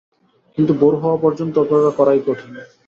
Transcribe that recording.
কিন্তু ভোর হওয়া পর্যন্ত অপেক্ষা করাই কঠিন।